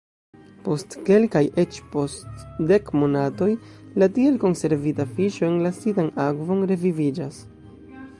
Post kelkaj, eĉ post dek monatoj la tiel konservita fiŝo, enlasita en akvon, reviviĝas.